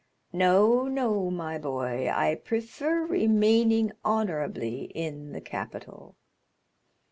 No, no, my boy; I prefer remaining honorably in the capital."